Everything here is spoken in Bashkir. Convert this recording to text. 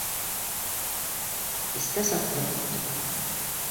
Кискә саҡлы көттөк.